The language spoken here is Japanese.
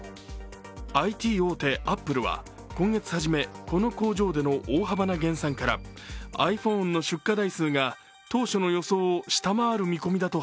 ＩＴ大手・アップルは今月初めこの工場での大幅な減産からｉＰｈｏｎｅの出荷台数が、当初の予想を下回る見込みだと